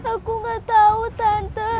aku nggak tahu tante